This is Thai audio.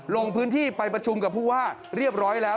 ลงพื้นที่ไปประชุมกับผู้ว่าเรียบร้อยแล้ว